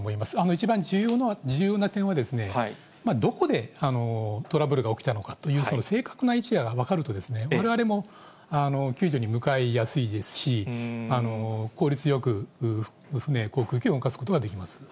一番重要な点は、どこでトラブルが起きたのかという、その正確な位置が分かると、われわれも救助に向かいやすいですし、効率よく船、航空機を動かすことができます。